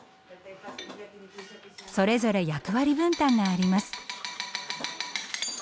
それぞれ役割分担があります。